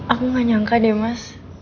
aku gak nyangka deh mas